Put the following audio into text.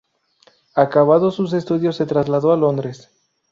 Acabados sus estudios se trasladó a Londres.